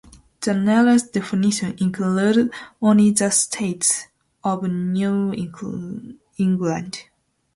The narrowest definitions include only the states of New England.